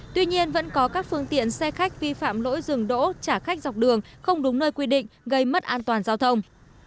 tuy nhiên vẫn có các phương tiện xe khách vi phạm lỗi dừng đỗ trả khách dọc đường không đúng nơi quy định gây mất an toàn giao thông